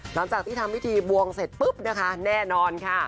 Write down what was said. หลังจากที่ทำพิธีบวงเสร็จปุ๊บนะคะแน่นอนค่ะ